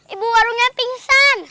ibu warungnya pingsan